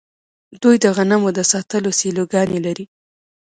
دوی د غنمو د ساتلو سیلوګانې لري.